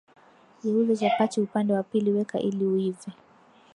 Geuza chapati upande wa pili weka ili uive